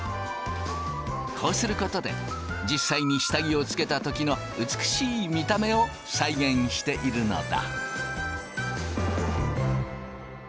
こうすることで実際に下着をつけた時の美しい見た目を再現しているのだ。